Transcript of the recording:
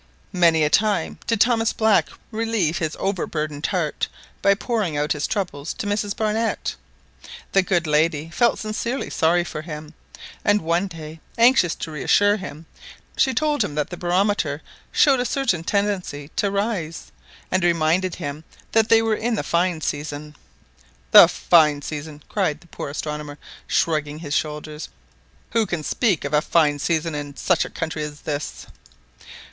Many a time did Thomas Black relieve his over burdened heart by pouring out his troubles to Mrs Barnett. The good lady felt sincerely sorry for him, and one day, anxious to reassure him, she told him that the barometer showed a certain tendency to rise, and reminded him that they were in the fine season. The fine season !" cried the poor astronomer" shrugging his shoulders. "Who can speak of a fine season in such a country as this?"